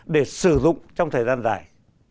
để sử dụng trong thời gian dài